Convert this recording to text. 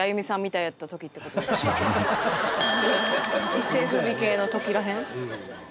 一世風靡系の時ら辺？